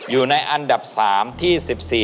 อยู่ในอันดับ๓ที่๑๔